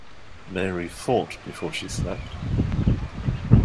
Mary fought before she slept.